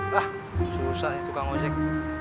wah susah ya tukang ojek